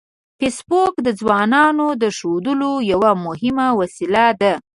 فېسبوک د ځوانانو د ښودلو یوه مهمه وسیله ده